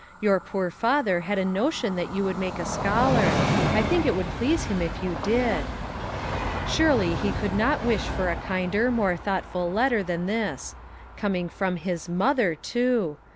Your poor father had a notion that you would make a scholar; I think it would please him if you did." Surely he could not wish for a kinder, more thoughtful letter than this; coming from his mother, too!